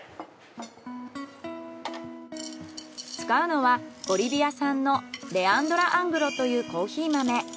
使うのはボリビア産のレアンドラ・アングロというコーヒー豆。